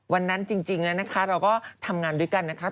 วันนั้นจริงแล้วนะคะเราก็ทำงานด้วยกันนะคะ